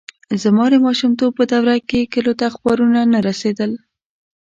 زما د ماشومتوب په دوره کې کلیو ته اخبارونه نه رسېدل.